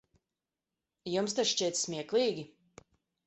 Jums tas šķiet smieklīgi?